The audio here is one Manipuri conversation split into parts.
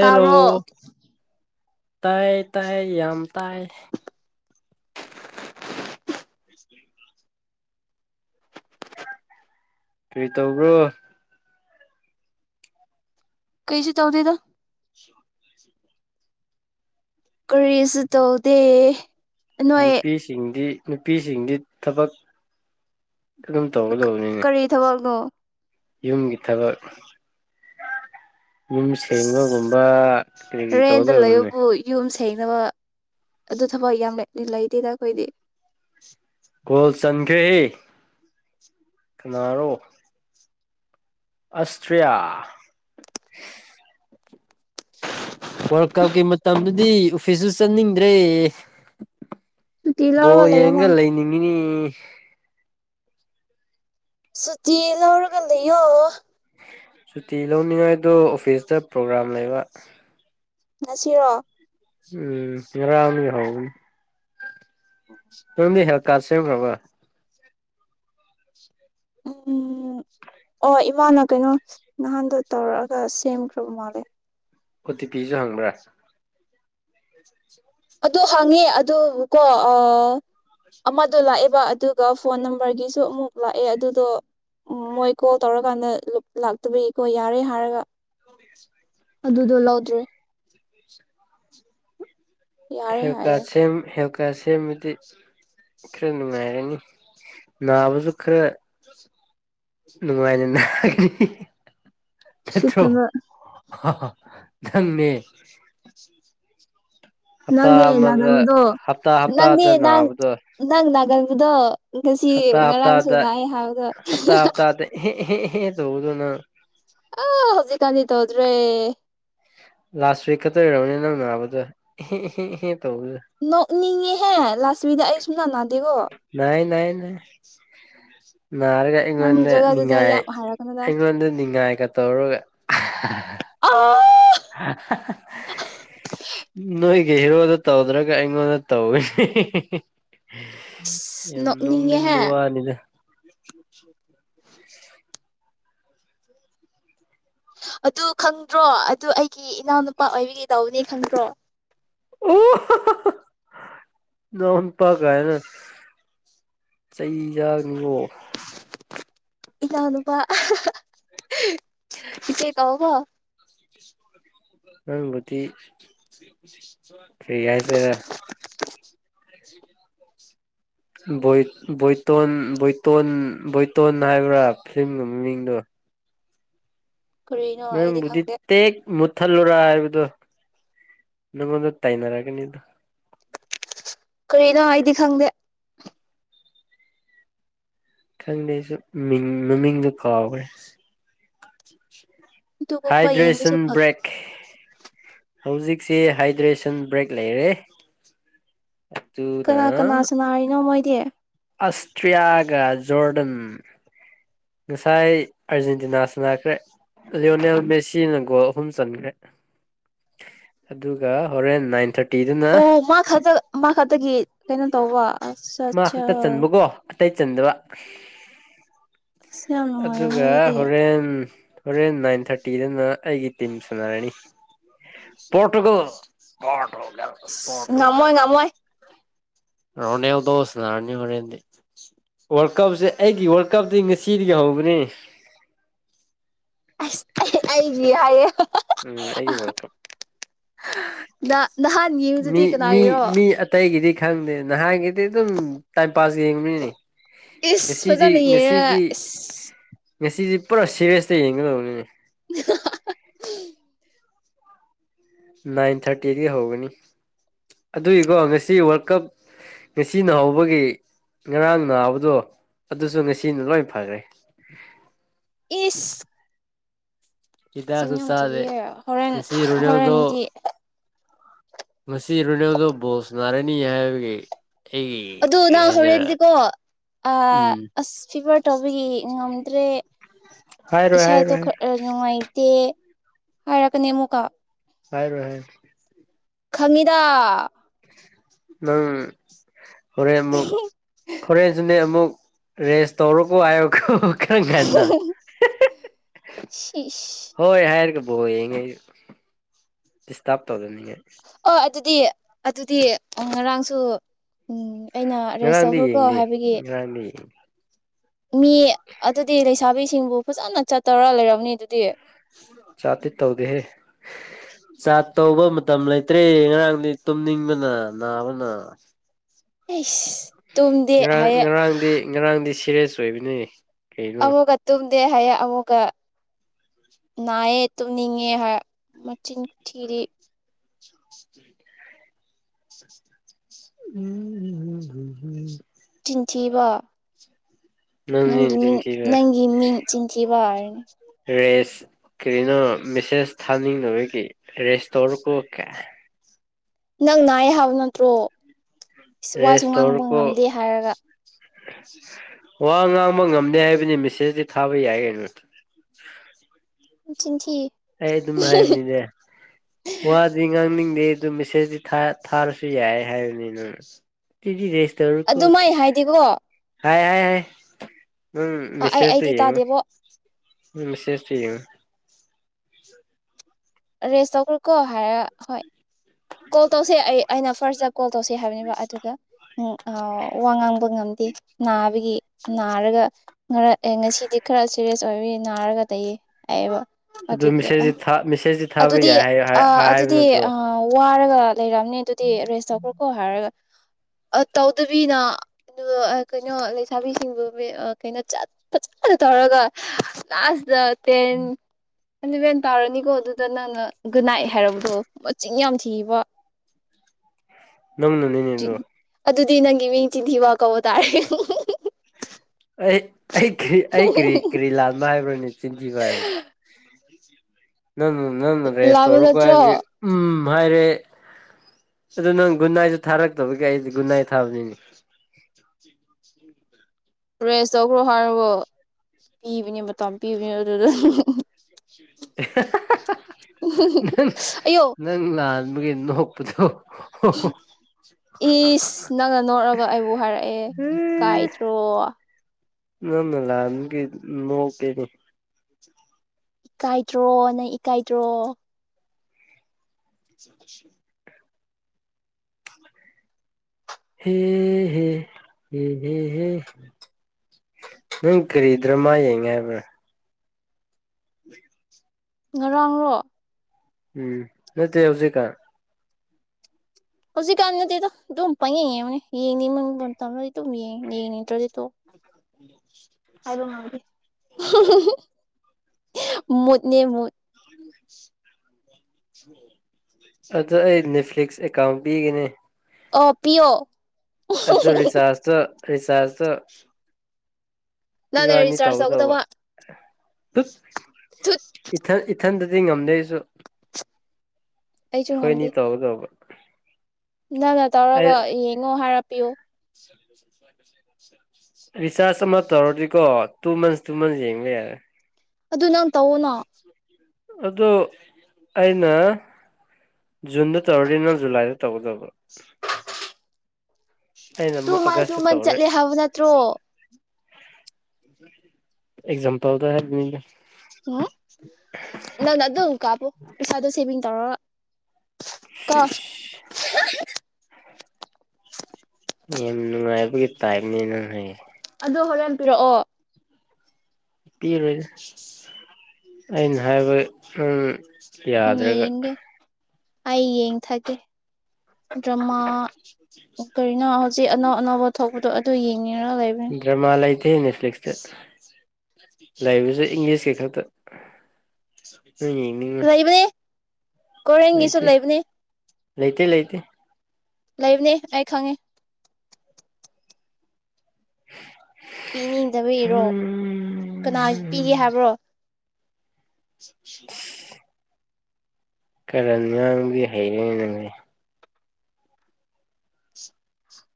ꯇꯔꯣ ꯇꯥꯏ ꯇꯥꯏ ꯌꯥꯝ ꯇꯥꯏ ꯁ ꯀꯩ ꯇꯧꯕ꯭ꯔꯣ ꯀꯩꯁꯦ ꯆꯧꯗꯗ ꯀꯔꯤꯁꯨ ꯇꯧꯗꯦ ꯅꯣꯏ ꯅꯨꯄꯤꯁꯤꯡꯗꯤ ꯅꯨꯄꯤꯁꯤꯡꯗꯤ ꯊꯕꯛ ꯑꯗꯨꯝ ꯇꯧꯒ ꯇꯧꯕꯅꯤꯅꯦ ꯀꯔꯤ ꯊꯕꯛꯅꯣ ꯌꯨꯝꯒꯤ ꯊꯕꯛ ꯌꯨꯝ ꯁꯦꯡꯕꯒꯨꯝꯕ ꯏꯁ ꯀꯔꯤ ꯇꯧꯒꯗꯕꯅꯦ ꯊꯦꯡꯅꯕ ꯑꯗꯨ ꯊꯕꯛ ꯌꯥꯝ ꯂꯩꯇꯦꯗ ꯑꯩꯈꯣꯏꯗꯤ ꯒꯣꯜ ꯆꯟꯈ꯭ꯔꯦꯍꯦ ꯀꯅꯥꯔꯣ ꯑꯁꯇ꯭ꯔꯂꯤꯌꯥ ꯋꯥꯔꯜ ꯀꯞꯀꯤ ꯃꯇꯝꯗꯨꯗꯤ ꯑꯣꯐꯤꯁꯁꯨ ꯆꯠꯅꯤꯡꯗ꯭ꯔꯦ ꯁꯨꯇꯤ ꯣ ꯂꯧꯔꯒ ꯂꯩꯌꯣꯅ ꯌꯦꯡꯒ ꯂꯩꯅꯤꯡꯉꯅꯤ ꯎꯨꯐ ꯁꯇꯂ ꯑꯣꯔꯒ ꯂꯩꯣ ꯁꯨꯇꯤ ꯂꯧꯅꯤꯡꯉꯥꯏꯗꯣ ꯑꯣꯐꯤꯁꯇ ꯄ꯭ꯔꯣꯒ꯭ꯔꯥꯝ ꯂꯩꯕ ꯉꯁꯤꯔꯣ ꯎꯝ ꯆꯔꯥ ꯍꯥꯎ ꯇꯗꯤ ꯍꯦꯜ ꯀꯁꯦ꯭ꯔꯕ ꯎꯝ ꯑꯣ ꯏꯃꯥꯅ ꯀꯩꯅꯣ ꯅꯍꯥꯟꯗꯣ ꯇꯧꯔꯛꯑꯒ ꯁꯦꯝꯈ꯭ꯔꯕ ꯃꯥꯜꯂꯦ ꯀꯣꯇꯤ ꯄꯤꯁꯨ ꯍꯪꯕ꯭ꯔꯥ ꯑꯗꯨ ꯍꯪꯉꯦ ꯑꯗꯨ ꯀꯣ ꯑꯃꯗꯣ ꯂꯥꯛꯑꯦꯕ ꯑꯗꯨꯒ ꯐꯣꯟ ꯅꯝꯕꯔꯒꯤꯁꯨ ꯑꯃꯨꯛ ꯂꯥꯛꯑꯦ ꯑꯗꯨꯗꯣ ꯃꯣꯏ ꯀꯣꯜ ꯇꯧꯔꯀꯥꯟꯗ ꯂꯥꯛꯇꯕꯒꯤꯀꯣ ꯌꯥꯔꯦ ꯍꯥꯏꯔꯒ ꯑꯗꯨꯗꯣ ꯂꯧꯗ꯭ꯔꯦ ꯌꯥꯔꯦ ꯍꯦꯀ ꯍꯥꯏꯌꯦ ꯍꯦ ꯀ ꯁꯦꯝꯕꯗꯤ ꯈꯔ ꯅꯨꯡꯉꯥꯏꯔꯅꯤ ꯅꯥꯕꯁꯨ ꯈꯔ ꯅꯨꯡꯉꯥꯏꯅ ꯅꯥꯔꯅꯤ ꯠꯇ꯭ꯔꯣ ꯁꯤꯠꯇꯕ ꯊꯪꯃꯦ ꯅꯪꯦ ꯅꯒꯟꯗꯣ ꯍꯞꯇꯥ ꯅꯪꯦ ꯍꯞꯇꯥꯗ ꯅꯪ ꯅꯥꯕꯗꯣ ꯅꯪ ꯅꯒꯟ ꯇꯗ ꯉꯁꯤ ꯍꯞꯇꯥ ꯍꯞꯇꯥꯗ ꯉꯔꯥꯡꯁꯨ ꯥꯛꯑ ꯍꯥꯏꯕꯗ ꯑꯦꯦ ꯇꯗ ꯅ ꯑ ꯍꯧꯖꯤꯛ ꯀꯅꯤ ꯇꯗ꯭ꯔꯦ ꯂꯥꯁ ꯋꯤꯛꯀꯛꯇ ꯑꯣꯏꯔꯔꯕꯅꯤ ꯅꯪ ꯃꯥꯕꯗꯣ ꯏꯦ ꯏꯦ ꯅꯣꯛꯅꯤꯡꯉꯤꯍꯦ ꯂꯥꯁꯋꯤꯗ ꯑꯩ ꯁꯨꯡꯅꯥ ꯅꯥꯗꯦꯀꯣ ꯑ ꯅꯥꯔꯒ ꯅꯪ ꯑꯩꯉꯣꯟꯗ ꯖꯒꯥꯗꯨꯗ ꯅꯤꯉꯥꯏ ꯌꯥꯝ ꯍꯥꯏꯔꯛꯀꯅꯨꯗ ꯑꯩꯉꯣꯟꯗ ꯅꯤꯡꯉꯥꯏꯒ ꯇꯧꯔꯒ ꯑꯥ ꯅꯣꯏꯒꯤ ꯍꯦꯔꯣꯗ ꯇꯧꯗ꯭ꯔꯒ ꯑꯩꯉꯣꯟꯗ ꯇꯧꯒꯅꯤ ꯑꯁ ꯌꯥꯝ ꯅꯣꯛꯅꯤꯡꯕ ꯅꯣꯛꯅꯤꯡꯉꯦꯍꯦ ꯋꯥꯅꯤꯗ [inaudible] ꯑꯗꯨ ꯈꯪꯗ꯭ꯔꯣ ꯑꯗꯨ ꯑꯩꯒꯤ ꯏꯅꯥꯎꯅꯨꯄꯥ ꯑꯣꯏꯕꯒꯤ ꯇꯧꯕꯅꯤ ꯈꯪꯗ꯭ꯔꯣ ꯑꯣ ꯏꯅꯥꯎ ꯅꯨꯄꯥ ꯒꯥꯏꯅ ꯆꯩ ꯆꯥ ꯑꯣ ꯏꯅꯥꯎꯅꯨꯄꯥ ꯏꯆꯦ ꯀꯧꯀꯣ ꯅꯪꯕꯨꯗꯤ ꯀꯩ ꯍꯥꯏꯁꯤꯔ ꯕꯣꯏ ꯕꯣꯏꯇꯣꯟ ꯕꯣꯏꯇꯣꯟ ꯕꯣꯏꯇꯣꯟ ꯍꯥꯏꯕ꯭ꯔꯥ ꯐꯤꯂꯝꯒꯤ ꯃꯃꯤꯡꯗꯣ ꯀꯔꯤꯅꯣ ꯃ ꯑꯩꯗꯤ ꯕꯨꯗꯤ ꯈꯪꯗꯦ ꯇꯥꯛ ꯃꯨꯠꯊꯜꯂꯨꯔ ꯍꯥꯏꯕꯗꯣ ꯅꯪꯉꯣꯟꯗ ꯇꯥꯏꯅꯔꯛꯒꯅꯤ ꯑꯗꯨ ꯀꯩꯅꯣ ꯑꯩꯗꯤ ꯈꯪꯗꯦ ꯈꯪꯗꯦꯁꯨ ꯃꯤꯡ ꯃꯃꯤꯡꯗꯨ ꯀꯥꯎꯒ꯭ꯔꯦ ꯑꯗꯨꯒꯨꯝꯕ ꯌꯦꯡꯕꯁꯨ ꯍꯥꯏꯗ꯭ꯔꯦꯁꯟ ꯐꯪ ꯕ꯭ꯔꯦꯛ ꯍꯧꯖꯤꯛꯁꯤ ꯍꯥꯏꯗ꯭ꯔꯦꯁꯟ ꯕ꯭ꯔꯦꯛ ꯂꯩꯔꯦ ꯑꯗꯨꯅ ꯀꯅꯥ ꯀꯅꯥ ꯁꯥꯅꯩꯅꯣ ꯃꯣꯏ ꯇ ꯑꯁ ꯇ꯭ꯔꯤꯌꯥꯒ ꯖꯣꯔꯗꯟ ꯉꯁꯥꯏ ꯑꯥꯔꯖꯦꯟꯇꯤꯅꯥ ꯁꯅꯥꯈ꯭ꯔꯦ ꯂꯤꯌꯣꯅꯦꯜ ꯃꯦꯁꯤꯅ ꯒꯣꯜ ꯑꯍꯨꯝ ꯆꯟꯈ꯭ꯔꯦ ꯑꯗꯨꯒ ꯍꯣꯔꯦꯟ ꯅꯥꯏꯟ ꯊꯥꯔꯇꯤ ꯑꯣ ꯃꯥ ꯈꯛꯇ ꯃꯥ ꯈꯛꯇꯒꯤ ꯀꯩꯅꯣ ꯇꯧꯕ ꯑꯠꯆꯥ ꯃꯥ ꯑꯠꯆꯥ ꯈꯛꯇ ꯆꯟꯕꯒꯣ ꯑꯇꯩ ꯆꯟꯗꯕ ꯑꯁ ꯌꯥꯝ ꯅꯨꯡꯉꯥꯏꯔꯝꯃꯦ ꯑꯗꯨꯒ ꯑꯗꯨꯗꯤ ꯍꯣꯔꯦꯟ ꯍꯣꯔꯦꯟ ꯅꯥꯏꯟ ꯊꯥꯔꯇꯤꯗꯅ ꯑꯩꯒꯤ ꯇꯤꯝ ꯁꯥꯟꯅꯔꯅꯤ ꯄꯣꯔꯇꯨꯒꯜ ꯄꯣꯔꯇꯨꯒꯜ ꯉꯃꯣꯏ ꯉꯃꯣꯏ ꯔꯣꯅꯦꯜ ꯗꯣꯁ ꯅꯥꯔꯅꯤ ꯍꯣꯔꯦꯟꯗꯤ ꯋꯥꯔꯜ ꯀꯞꯁꯦ ꯑꯩꯒꯤ ꯋꯥꯔꯜ ꯀꯞꯇꯤ ꯉꯁꯤ ꯆꯤꯗꯤꯒꯤ ꯍꯧꯕꯅꯦ ꯑꯩꯗꯤ ꯍꯥꯏꯌꯦ ꯎꯝ ꯑꯩꯒꯤ ꯋꯥꯔꯜ ꯀꯞ ꯅ ꯅꯍꯥꯟ ꯌꯦꯡꯕꯗꯨꯗꯤ ꯃꯤ ꯀꯅꯥꯒꯤꯔꯣ ꯃꯤ ꯑꯇꯩꯒꯤꯗꯤ ꯈꯪꯗꯦ ꯅꯍꯥꯟꯒꯤꯗꯤ ꯑꯗꯨꯝ ꯇꯥꯏꯝ ꯄꯥꯁ ꯌꯦꯡꯕꯅꯤꯅꯦ ꯏꯁ ꯉꯁꯤꯗꯤ ꯐꯖꯅ ꯌꯦꯡꯉꯒ ꯏꯁ ꯉꯁꯤꯁꯤ ꯄꯨꯔꯥ ꯁꯦꯔꯤꯌꯁꯇ ꯌꯦꯡꯒꯗꯧꯕꯅꯤꯅꯦ [inaudible] ꯅꯥꯏꯟ ꯊꯥꯔꯇꯤꯗꯒꯤ ꯍꯧꯒꯅꯤ ꯑꯗꯨꯏꯀꯣ ꯉꯁꯤ ꯋꯥꯔꯜ ꯀꯞ ꯉꯁꯤꯅ ꯍꯧꯕꯒꯤ ꯉꯔꯥꯡ ꯅꯥꯕꯗꯣ ꯑꯗꯨꯁꯨ ꯉꯁꯤꯅ ꯂꯣꯏ ꯐꯈ꯭ꯔꯦ ꯏꯁ ꯍꯤꯗꯥꯛꯁꯨ ꯁꯤꯤꯟꯅꯨꯡ ꯊꯤꯒꯤ ꯆꯥꯗꯦ ꯍꯣꯔꯦꯟ ꯉꯁꯤ ꯔꯣꯅꯦꯜꯗꯣ ꯍꯣꯔꯦꯟꯗꯤ ꯃꯁꯤꯁꯤ ꯏꯔꯅꯦꯗꯣ ꯣꯁꯅꯔꯦ ꯅꯤ ꯍꯥꯏꯕꯒ ꯑꯗꯨ ꯅꯍ ꯍꯣꯔꯦꯟꯗꯤꯀꯣ ꯎꯝ ꯑꯁ ꯐꯤꯚꯔ ꯇꯧꯕꯒꯤ ꯉꯝꯗ꯭ꯔꯦ ꯍꯥꯏꯔꯣꯏ ꯏꯁꯥꯗ ꯍꯥꯏꯔꯣꯏ ꯍꯥꯏꯔꯣꯏ ꯈꯔ ꯅꯨꯡꯉꯥꯏꯇꯦ ꯍꯥꯏꯔꯛꯒꯅꯦꯃꯨꯀ ꯍꯥꯏꯔ ꯍꯥꯏ ꯈꯃꯤꯗꯥ ꯎꯝ ꯍꯣꯔꯦꯟ ꯑꯃꯨꯛ ꯍꯣꯔꯦꯟꯁꯤꯅꯦ ꯑꯃꯨꯛ ꯔꯦꯁ ꯇꯔ ꯀꯣ ꯍꯥꯏꯣ ꯀ ꯪ ꯀꯅ ꯁꯤꯁ ꯍꯣꯏ ꯍꯥꯏꯔꯒꯦꯕꯨ ꯍꯣꯏꯡꯉꯩ ꯏꯁꯇꯥꯞ ꯇꯧꯗꯅꯤꯉ ꯑꯣ ꯑꯗꯨꯗꯤ ꯑꯗꯨꯗꯤ ꯉꯔꯥꯡꯁꯨ ꯑꯩꯅ ꯔꯦꯁ ꯉꯔꯥꯡꯗꯤ ꯇꯧꯈ꯭ꯔꯣꯀꯣ ꯌꯦꯡꯗꯦ ꯍꯥꯏꯕꯒꯤ ꯉꯔꯥꯡꯗꯤ ꯌꯦꯡꯗꯦ ꯃꯤ ꯑꯗꯨꯗꯤ ꯂꯩꯁꯥꯕꯤꯁꯤꯡꯕꯨ ꯐꯖꯅ ꯆꯠꯇꯧꯔ ꯂꯩꯔꯝꯅꯤ ꯑꯗꯨꯗꯤ ꯆꯥꯠꯇꯤ ꯇꯧꯗꯦꯍꯦ ꯆꯥ ꯇꯧꯕ ꯃꯇꯝ ꯂꯩꯇ꯭ꯔꯦ ꯉꯔꯥꯡꯗꯤ ꯇꯨꯝꯅꯤꯡꯕꯅ ꯅꯥꯕꯅ ꯑꯦꯁ ꯉꯔꯥꯡ ꯉꯔꯥꯡꯗꯤ ꯉꯔꯥꯡꯗꯤ ꯁꯤꯔꯦꯁ ꯣꯏꯕꯤꯅꯦ ꯑꯒ ꯇ ꯗꯦ ꯍꯥꯏ ꯑꯃꯨꯒ ꯅꯥꯏꯌꯦꯦ ꯇꯨꯝꯅꯤꯡꯉꯦ ꯃꯆꯤꯟ ꯊꯤꯔꯤ ꯎꯝ ꯎ ꯎꯝꯝ ꯖꯤꯕ ꯅꯪꯅꯦ ꯅꯪꯒꯤ ꯅꯆꯤꯟ ꯃꯤꯡ ꯊꯤꯕ ꯅꯪꯒꯤ ꯃꯤꯡ ꯆꯤꯟꯊꯤꯕꯥꯔ [unintelligible] ꯔꯦꯁ ꯀꯔꯤꯅꯣ ꯃꯦꯁꯦꯁ ꯊꯥꯅꯤꯡꯅꯕꯒꯤ ꯔꯦꯁꯇꯣꯔ ꯀ ꯀꯌꯥ ꯅꯪ ꯅꯏ ꯍꯥꯏꯕ ꯅꯠꯇ꯭ꯔꯣ ꯋꯥꯁꯨ ꯔꯦꯁ ꯉꯥꯡꯕ ꯇꯧꯔꯣꯀꯣ ꯉꯝꯗꯦ ꯍꯥꯏꯔꯒ ꯋꯥ ꯉꯥꯡꯕ ꯉꯝꯅꯤ ꯍꯥꯏꯕꯅꯤ ꯃꯦꯁꯦꯁꯇꯤ ꯊꯥꯕ ꯌꯥꯏ ꯀꯩꯅꯣ ꯆꯤꯟꯁꯤꯤ ꯑꯩ ꯑꯗꯨꯝ ꯍꯥꯏꯕꯅꯤꯅꯦ ꯋꯥꯗꯤ ꯉꯥꯡꯅꯤꯡꯗ ꯑꯗꯨ ꯃꯦꯁꯦꯖꯇꯤ ꯊꯥ ꯊꯥꯔꯁꯨ ꯌꯥꯏ ꯍꯥꯏꯕꯅꯤꯅ ꯑꯗꯨꯃꯥꯏ ꯍꯥꯏꯗꯤꯀꯣ ꯍꯥꯏ ꯍꯥꯏ ꯍꯥꯏ ꯎꯝ ꯑꯩ ꯃꯦꯁꯦꯖ ꯇ ꯑꯩꯗꯤ ꯌꯦꯉꯨ ꯇꯥꯗꯦꯕꯣ ꯎꯁꯦꯁꯇꯨ ꯌꯦꯡꯉꯨ ꯔꯦꯆꯇꯧꯈ꯭ꯔꯣꯀꯣ ꯍꯥꯢꯔ ꯍꯣꯢ ꯀꯣꯜ ꯇꯧꯁꯦ ꯑꯩ ꯑꯩꯅ ꯐꯔꯖꯞ ꯀꯣꯜ ꯇꯧꯁꯤ ꯍꯥꯏꯕꯅꯦꯕ ꯑꯗꯨꯒ ꯋꯥ ꯉꯥꯡꯕ ꯉꯝꯗꯦ ꯅꯥꯕꯒꯤ ꯅꯥꯔꯒ ꯉꯔ ꯑꯦ ꯉꯁꯤꯗꯤ ꯈꯔ ꯁꯤꯔꯤꯌꯁ ꯑꯣꯏꯕꯅꯤ ꯅꯥꯔꯒ ꯇꯌꯦ ꯍꯥꯏꯕ ꯑꯗꯨ ꯃꯦꯁꯦꯖꯇ ꯃꯤꯁꯦꯖꯇ ꯊꯥꯕ ꯑꯗꯨꯗꯤ ꯌꯥꯏ ꯍꯥꯏꯕ ꯅꯠꯇ꯭ꯔꯣ ꯋꯥꯔꯒꯠ ꯂꯩꯔꯛꯑꯅꯤ ꯑꯗꯨꯗꯤ ꯔꯦꯁ ꯇꯧꯈ꯭ꯔꯣꯀꯣ ꯍꯥꯏꯔꯒ ꯑ ꯇꯧꯗꯕꯤꯅ ꯑꯗꯨꯒ ꯀꯩꯅꯣ ꯂꯩꯁꯥꯕꯤꯁꯤꯡꯕꯨ ꯀꯩꯅꯣꯠ ꯐꯖꯅ ꯇꯧꯔꯒ ꯂꯥꯖꯗ ꯇꯦꯟ ꯑꯦꯂꯚꯦꯟ ꯇꯥꯔꯅꯤꯀꯣ ꯑꯗꯨꯗ ꯅꯪꯅ ꯒꯨꯅꯥꯏ ꯍꯥꯏꯔꯕꯗꯣ ꯆꯤꯡ ꯌꯥꯝ ꯊꯤꯕ ꯅꯪꯅꯅꯤꯅꯦ ꯑꯗꯨ ꯑꯗꯨꯗꯤ ꯅꯪꯒꯤ ꯃꯤꯡ ꯆꯤꯟꯊꯤꯕ ꯀꯧꯕ ꯇꯥꯔꯦ ꯑꯩ ꯑꯩ ꯀꯔꯤ ꯀꯔꯤ ꯂꯥꯜꯃ ꯍꯥꯏꯕ꯭ꯔꯣꯅꯦ ꯆꯤꯟꯖꯤꯕ ꯍꯥꯏꯕ꯭ꯔ [inaudible] ꯅꯪ ꯅꯪꯅ ꯔꯦꯁ ꯂꯥꯕ ꯇꯧꯔꯛꯄ ꯍꯥꯏꯕꯒꯤ ꯅꯠꯇ꯭ꯔꯣ ꯎ ꯍꯥꯏꯔꯦ ꯑꯗꯨ ꯅꯪ ꯒꯨꯟꯅꯥꯏꯁꯨ ꯊꯥꯔꯛꯇꯕꯒꯤ ꯑꯩꯗꯤ ꯒꯨꯟꯅꯥꯏ ꯊꯥꯕꯅꯤꯅꯤ ꯔꯦꯁ ꯇꯧꯈ꯭ꯔꯣ ꯍꯥꯏꯔꯕꯣ ꯄꯤꯕꯅꯦ ꯃꯇꯝ ꯄꯤꯕꯅꯦ ꯑꯗꯨꯗ ꯑꯦꯍꯥꯍꯥꯍꯥ ꯑꯌꯣ ꯅ ꯅꯪ ꯂꯥꯜ ꯑꯗꯨꯒꯤ ꯅꯣꯛꯄꯗꯣ ꯍꯣ ꯍ ꯍꯣ ꯏꯁ ꯅꯪꯅ ꯅꯣꯠꯂꯒ ꯑꯩꯕꯨ ꯍꯥꯏꯔꯛꯑꯦ ꯀꯥꯏꯗ꯭ꯔꯣ ꯅꯪꯅ ꯂꯥꯟꯕꯒꯤ ꯅꯣꯛꯏꯅꯤ ꯏꯀꯥꯏꯇ꯭ꯔꯣ ꯅ ꯏꯀꯥꯏꯇ꯭ꯔꯣ ꯁꯤ ꯍꯦ ꯍꯦ ꯍꯦ ꯍꯦ ꯍꯦ ꯅꯪ ꯀꯔꯤꯗ꯭ꯔꯃꯥ ꯌꯦꯡꯉꯦ ꯍꯥꯏꯕ꯭ꯔꯥ ꯉꯔꯥꯡꯔꯣ ꯎꯝ ꯅꯠꯇꯦ ꯍꯧꯖꯤꯀꯥꯟ ꯍꯧꯖꯤꯛ ꯀꯥꯟꯅꯗꯤ ꯗꯨꯝ ꯄꯪꯌꯦꯡ ꯌꯦꯡꯕꯅꯤ ꯌꯦꯅꯤꯡꯕꯃ ꯄꯨꯗ ꯑꯗꯨꯝ ꯌꯦꯡꯉ ꯌꯦꯡꯅꯤꯇ꯭ꯔꯗꯤ ꯇꯣ ꯎ [unintelligible] ꯃꯠꯅꯦ ꯃꯗ ꯑꯗ ꯑꯩ ꯅꯦꯠꯐ꯭ꯂꯤꯛꯁ ꯑꯦꯀꯥꯎꯟ ꯄꯤꯒꯅꯤ ꯑꯣ ꯄꯤꯌꯣ ꯑꯗꯨꯗꯣ ꯔꯤ ꯆꯇ ꯔꯤꯆꯥꯥꯖ ꯇ ꯅꯥꯟꯦ ꯆꯥꯔꯁꯒꯗꯕ ꯑ ꯏꯊꯦ ꯏ ꯏꯊꯟꯗꯗꯤ ꯉꯝꯗꯦꯁꯨ ꯍꯣꯏ ꯅ ꯇꯣ ꯍꯒꯕ ꯅꯪ ꯅ ꯇꯧꯔꯒ ꯌꯦꯡꯉꯣ ꯍꯥꯏꯔꯛꯄꯤꯌꯨ ꯄ ꯔꯤꯆꯥꯔꯖ ꯑꯃ ꯇꯧꯔꯗꯤꯀꯣ ꯇꯨ ꯃꯟꯁ ꯇꯨ ꯃꯟꯁ ꯌꯦꯡꯕ ꯌꯥꯔꯦ ꯑꯗꯨ ꯅꯪ ꯇꯑꯣꯅꯣ ꯑꯗꯨ ꯑꯩꯅ ꯖꯨꯟꯗ ꯇꯧꯔꯅꯤꯅ ꯖꯨꯂꯥꯏꯗ ꯇꯧꯒꯗꯕ ꯑꯩꯅ ꯇꯨ ꯑꯃꯨꯛ ꯃꯥꯜ ꯑꯥꯒꯁꯇ ꯇꯨꯃꯟ ꯆꯠꯂꯦ ꯍꯥꯏꯕ ꯅꯠꯇ꯭ꯔꯣ ꯑꯦꯛꯖꯝꯄꯥꯎꯗ ꯍꯥꯏ ꯃꯤ ꯎꯝ ꯅꯪꯅ ꯑꯗꯨꯝ ꯀꯥꯕꯨꯣ ꯄꯩꯁꯥꯗꯣ ꯁꯦꯚꯤꯡ ꯇꯧꯔ ꯀ ꯁꯤꯁ ꯌꯥꯝ ꯅꯨꯡꯉꯥꯏꯕꯒꯤ ꯇꯥꯏꯞꯅꯤ ꯅꯪ ꯍꯥꯏꯁꯦ ꯑꯗꯨꯣ ꯍꯣꯔꯦꯟꯕꯤꯤꯔꯛꯑꯣ ꯄꯤꯔꯣꯏ ꯑꯩꯅ ꯍꯥꯏꯕ ꯎ ꯌꯥꯗ꯭ꯔꯒ ꯌꯦꯡꯒꯦ ꯑꯩ ꯌꯦꯡꯊꯒꯦ ꯗ꯭ꯔꯃꯥ ꯁ ꯆ ꯑꯅꯣ ꯑꯅꯧꯕ ꯊꯣꯛꯄꯗꯣ ꯑꯗꯨ ꯌꯦꯡꯉꯔ ꯂꯩꯔ ꯁꯤ ꯅꯦꯠꯐ꯭ꯂꯤꯛꯁꯇ ꯂꯩꯔꯤꯕꯁꯦ ꯏꯪꯂꯤꯁꯀꯤ ꯈꯛꯇ ꯑꯅꯤ ꯀꯣꯔꯦꯟꯒꯤꯁꯨ ꯂꯩꯕꯅꯦ ꯂꯩ ꯂꯩꯇ ꯂꯩ ꯂꯩꯇ ꯂꯩꯕꯅꯦ ꯑꯩ ꯈꯪꯉꯤ [unintelligible] ꯄꯤꯅꯤꯡꯗꯕ ꯏꯔꯣ ꯀꯅꯥꯁꯨ ꯄꯤꯒꯦ ꯍꯥꯏꯕ꯭ꯔꯣ [unintelligible] ꯀꯔ ꯉꯥꯡꯗꯤ ꯍꯩꯔꯦ ꯅꯪ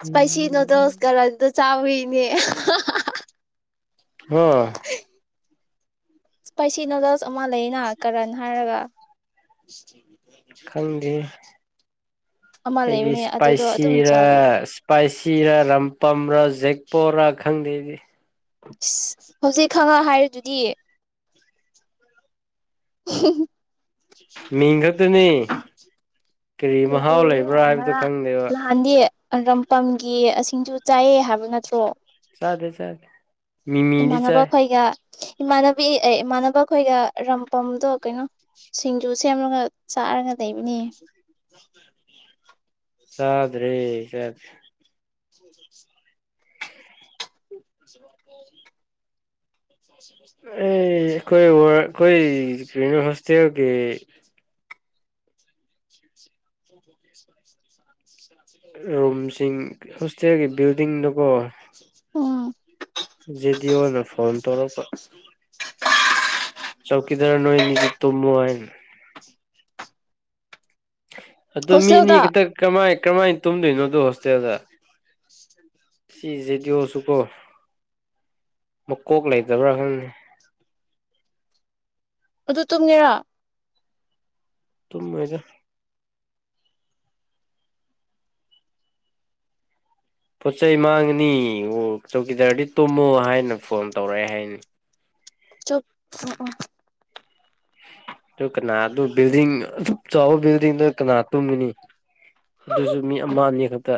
ꯁꯄꯩꯁꯤ ꯏꯅꯣꯗꯣꯁꯀꯔ ꯆꯥꯎꯥꯎꯏꯅꯦ ꯍ ꯏꯁꯄꯥꯏꯁꯤꯅꯂꯁ ꯑꯃ ꯂꯩꯅ ꯀꯔꯅ ꯍꯥꯏꯔꯒ ꯈꯪꯒꯤ ꯑꯃ ꯏꯗꯤ ꯂꯩꯕꯅꯦ ꯑꯗꯨꯗꯣ ꯏꯁꯄꯥꯏꯁꯤ ꯑꯗꯨꯝ ꯔ ꯆꯥꯕ ꯏꯁꯄꯥꯏꯁꯤ ꯔ ꯔꯝ ꯄꯝꯔꯥ ꯖꯦꯛꯄꯣꯔꯥ ꯈꯪꯗꯦꯗꯤ ꯍꯧꯖꯤ ꯈꯪꯉ ꯍꯥꯏꯔꯗꯨꯗꯤ [unintelligible] ꯃꯤꯡ ꯈꯛꯇꯅꯤ ꯀꯔꯤ ꯃꯍꯥꯎ ꯂꯥꯛꯑꯦ ꯂꯩꯕ꯭ꯔꯥ ꯍꯥꯏꯕꯗꯨꯣ ꯈꯪꯗꯦꯕ ꯄꯝꯒꯤꯁꯤꯡꯁꯨ ꯆꯥꯏꯑ ꯍꯥꯏꯕ ꯅꯠꯇ꯭ꯔꯣ ꯁꯥꯗꯦ ꯁꯥꯗꯦ ꯏꯃꯥꯟꯅꯕ ꯑꯩꯈꯣꯏꯒ ꯏꯃꯥꯟꯅꯕꯤ ꯑꯦ ꯏꯃꯥꯟꯅꯕ ꯑꯩꯈꯣꯏꯒ ꯔꯝꯄꯝꯗꯣ ꯀꯩꯅꯣ ꯁꯤꯡꯖꯨ ꯁꯦꯝꯃꯒ ꯆꯥꯔꯒ ꯂꯩꯕꯅꯤ ꯆꯗ꯭ꯔꯦ ꯆꯗꯔꯤ ꯑꯩ ꯀꯣꯏ ꯀꯣꯏ ꯄ ꯍꯁꯇꯒ ꯔꯨꯝꯁꯤꯡ ꯍꯣꯁꯇꯦꯜꯒꯤ ꯕꯤꯜꯗꯤꯡꯗꯨꯀꯣ ꯎꯝ [unintelligible] ꯖꯦꯗꯤꯑꯣꯅ ꯐꯣꯟ ꯇꯧꯔꯛꯄ ꯆꯧꯈꯤꯗꯔꯥ ꯅꯣꯏꯅꯤꯗꯤ ꯇꯨꯝꯃꯣ ꯍꯥꯏꯅ ꯑꯗꯣ ꯍꯣꯁꯇꯦꯜꯗ ꯃꯤꯅꯤꯇ ꯀꯃꯥꯏ ꯀꯔꯝꯍꯥꯏꯅ ꯇꯨꯝꯗꯣꯏꯅꯣꯗꯣ ꯍꯣꯁꯇꯦꯜꯗ ꯁꯤꯁꯦꯗꯤꯑꯣꯁꯨꯀꯣ ꯃꯀꯣꯛ ꯂꯩꯇꯕ꯭ꯔꯥ ꯈꯪꯅꯤ ꯑꯗꯨ ꯇꯨꯡꯉꯦꯔꯥ ꯇꯨꯝꯖ ꯄꯣꯠ ꯆꯩꯩ ꯃꯥꯡꯉꯅꯤ ꯑꯣ ꯆꯧꯀꯤꯗꯥꯔꯗꯤ ꯇꯣꯝꯃꯣ ꯍꯥꯏꯅ ꯐꯣꯟ ꯇꯧꯔꯛꯑꯦ ꯍꯥꯏꯅꯤ ꯆꯞ ꯑꯗꯨ ꯀꯅꯥ ꯑꯗꯨ ꯕꯤꯜꯗꯤꯡ ꯑꯗꯨ ꯆꯥꯎꯕ ꯕꯤꯜꯗꯤꯡꯗꯨ ꯀꯅꯥ ꯇꯨꯝꯒꯅꯤ ꯑꯗꯨꯁꯨ ꯃꯤ ꯑꯃ ꯑꯅꯤ ꯈꯛꯇ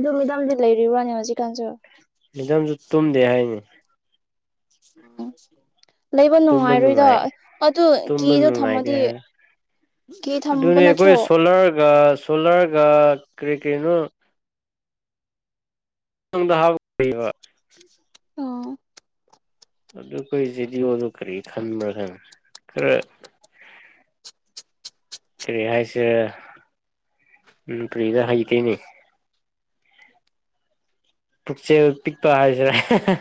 ꯑꯗꯨ ꯃꯗꯥꯝꯗꯤ ꯂꯩꯔꯤꯕ꯭ꯔꯥꯅꯦ ꯍꯧꯖꯤꯛꯀꯥꯟꯁꯨ ꯃꯤꯆꯝꯁꯨ ꯇꯨꯝꯗꯦ ꯍꯥꯏꯅꯤ ꯎꯝ ꯂꯩꯕ ꯇꯨꯝꯕ ꯅꯨꯡꯉꯥꯏꯔꯣꯏꯗ ꯅꯨꯡꯉꯥꯏ ꯑꯗꯨ ꯇꯨꯝꯕ ꯀꯦꯗꯣ ꯅꯨꯡꯉꯥꯏꯇꯦ ꯊꯝꯃꯗꯤ ꯍꯥꯏ ꯀꯦ ꯊꯝꯕ ꯑꯗꯨꯅꯤ ꯑꯩꯈꯣꯏ ꯅꯠꯇ꯭ꯔꯣ ꯁꯣꯂꯔꯒ ꯁꯣꯂꯔꯒ ꯀꯔꯤ ꯀꯔꯤꯅꯣ ꯗ ꯍꯥꯥꯎꯕ ꯎꯝ ꯑꯗꯨ ꯑꯩꯈꯣꯏ ꯖꯦꯗꯤꯑꯣꯗꯣ ꯀꯔꯤ ꯈꯟꯕ꯭ꯔꯥ ꯈꯪ ꯈꯔ ꯀꯔꯤ ꯍꯥꯏꯁꯤꯔꯦ ꯀꯔꯤꯗ ꯍꯩꯇꯣꯏꯅꯦ ꯄꯨꯛꯆꯦ ꯄꯤꯛꯄ ꯍꯥꯏꯔꯁꯔ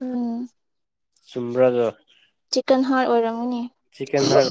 ꯎꯝ ꯆꯃ꯭ꯔꯒ ꯆꯤꯀꯟ ꯍꯥꯔ ꯑꯣꯏꯔꯝꯒꯨꯅꯦ ꯆꯤꯛꯀꯟ ꯍꯥꯏ